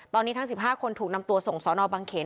ตอนนี้ทั้ง๑๕คนถูกนำตัวส่งสนบังเขน